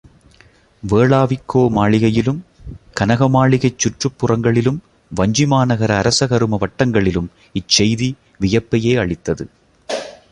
வேளாவிக்கோ மாளிகையிலும், கனகமாளிகைச் சுற்றுப் புறங்களிலும் வஞ்சிமாநகர அரச கரும வட்டங்களிலும் இச் செய்தி வியப்பையே அளித்தது.